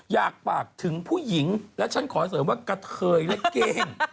อยากฝากถึงผู้หญิงและฉันขอเสริมว่ากะเทยและเก้ง